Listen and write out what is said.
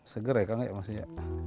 seger ya kan ya